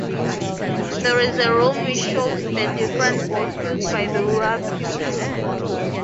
There is a room which shows the different boats used by the rural people.